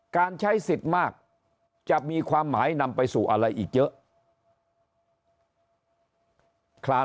การใช้สิทธิ์มากจะมีความหมายนำไปสู่อะไรอีกเยอะ